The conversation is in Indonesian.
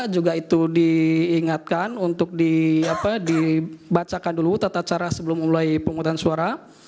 juga itu diingatkan untuk dibacakan dulu tata cara sebelum mulai penghutang suara